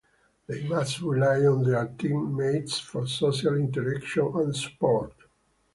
They must rely on their teammates for social interaction and support.